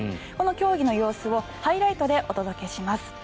この競技の様子をハイライトでお届けします。